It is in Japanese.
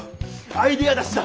アイデア出しだ。